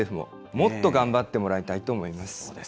もっと頑張ってもらいたいと思います。